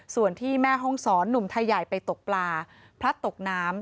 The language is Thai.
ส่วนที่แม่ห้องศรหนุ่มไทยใหญ่ไปตกปลาพลัดตกน้ำ